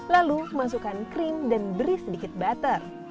lalu masukkan krim dan beri sedikit butter